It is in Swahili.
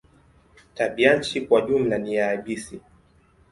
Tabianchi kwa jumla ni yabisi.